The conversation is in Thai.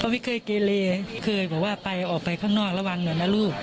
ไม่เคยเกเลเคยบอกว่าไปออกไปข้างนอกระวังหน่อยนะลูก